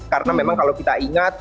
karena memang kalau kita ingat